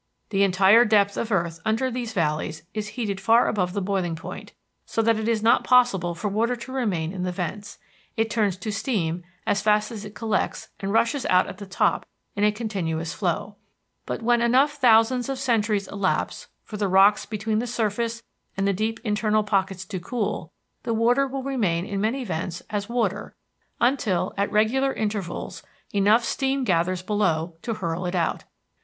The entire depth of earth under these valleys is heated far above boiling point, so that it is not possible for water to remain in the vents; it turns to steam as fast as it collects and rushes out at the top in continuous flow. But when enough thousands of centuries elapse for the rocks between the surface and the deep internal pockets to cool, the water will remain in many vents as water until, at regular intervals, enough steam gathers below to hurl it out.